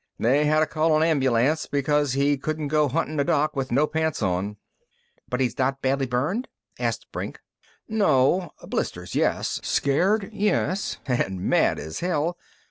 They hadda call a ambulance because he couldn't go huntin' a doc with no pants on." "But he's not burned badly?" asked Brink. "No. Blisters, yes. Scared, yes. And mad as hell.